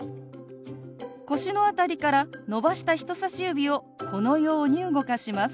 腰の辺りから伸ばした人さし指をこのように動かします。